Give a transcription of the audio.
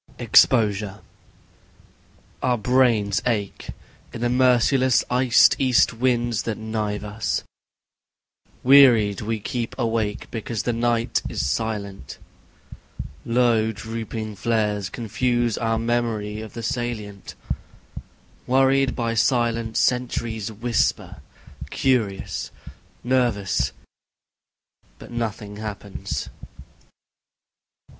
Exposure I Our brains ache, in the merciless iced east winds that knife us ... Wearied we keep awake because the night is silent ... Low drooping flares confuse our memory of the salient ... Worried by silence, sentries whisper, curious, nervous, But nothing happens.